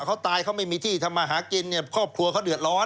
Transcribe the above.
เขาตายเขาไม่มีที่ทำมาหากินเนี่ยครอบครัวเขาเดือดร้อน